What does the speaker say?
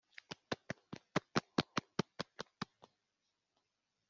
kuva mu gitondo kugeza nimugoroba waranyishe urahorahoza!